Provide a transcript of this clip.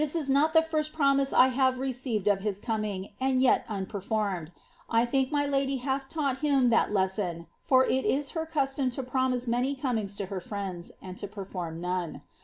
is not tlic first promise I have received of his coming, and yet unperformed. ok my lady hath taught him that lesson;* for it is her custom to promise f comings to her friends, and to perform none.